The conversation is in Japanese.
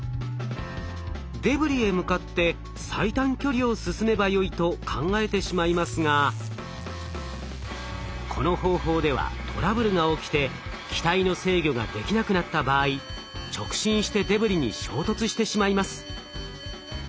デブリへ向かって最短距離を進めばよいと考えてしまいますがこの方法ではトラブルが起きて機体の制御ができなくなった場合直進してデブリに衝突してしまいます。